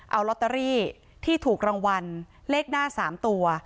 เอาลอตเตอรี่ที่ถูกรางวัลเลขหน้า๓ตัว